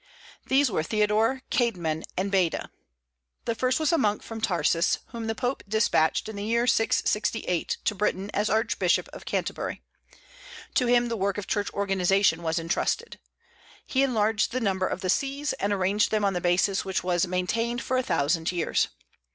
These were Theodore, Caedmon, and Baeda. The first was a monk from Tarsus, whom the Pope dispatched in the year 668 to Britain as Archbishop of Canterbury. To him the work of church organization was intrusted. He enlarged the number of the sees, and arranged them on the basis which was maintained for a thousand years.